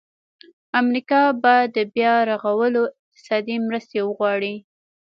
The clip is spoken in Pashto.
امریکا به د بیا رغولو اقتصادي مرستې وغواړي.